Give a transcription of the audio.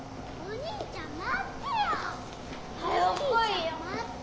兄ちゃん待って！